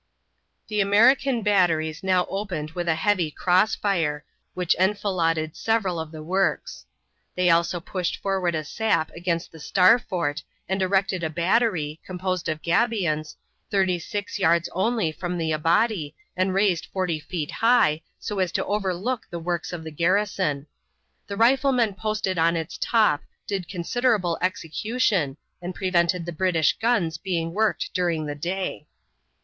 The American batteries now opened with a heavy cross fire, which enfiladed several of the works. They also pushed forward a sap against the Star fort and erected a battery, composed of gabions, thirty six yards only from the abattis and raised forty feet high so as to overlook the works of the garrison. The riflemen posted on its top did considerable execution and prevented the British guns being worked during the day.